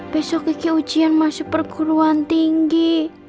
besok keki ujian masuk perguruan tinggi